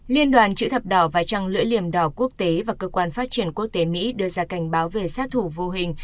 liên đoàn chữ thập đỏ và trăng lưỡi liềm đỏ quốc tế và cơ quan phát triển quốc tế mỹ đưa ra cảnh báo về sát thủ vô hình